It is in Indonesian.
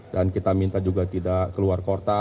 dan kita minta juga tidak keluar kota